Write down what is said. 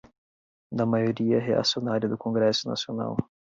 da maioria reacionária do Congresso Nacional